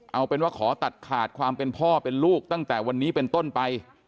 เอาเป็นว่าขอตัดขาดความเป็นพ่อเป็นลูกตั้งแต่วันนี้เป็นต้นไป